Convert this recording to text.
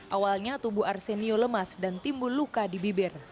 awalnya tubuh arsenio lemas dan timbul luka di bibir